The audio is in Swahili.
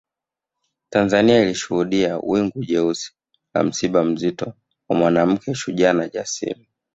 Tanzania ilishuhudia wingu jeusi la msiba mzito wa Mwanamke shujaa na jasiri